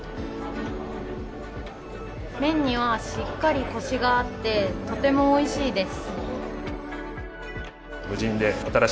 麺にはしっかりコシがあってとても美味しいです。